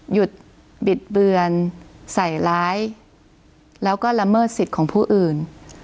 บิดเบือนใส่ร้ายแล้วก็ละเมิดสิทธิ์ของผู้อื่น